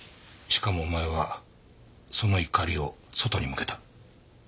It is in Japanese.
しかもお前はその怒りを外に向けた。